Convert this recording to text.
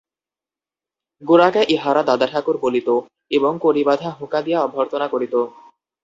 গোরাকে ইহারা দাদাঠাকুর বলিত এবং কড়িবাঁধা হুঁকা দিয়া অভ্যর্থনা করিত।